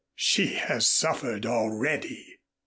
"She has suffered already."